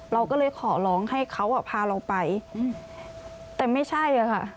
เราก็เลยขอร้องให้เขาพาเราไปแต่ไม่ใช่อะค่ะ